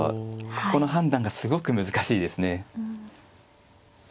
ここの判断がすごく難しいですね。